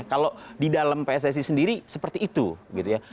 kalau di dalam pssi sendiri seperti itu gitu ya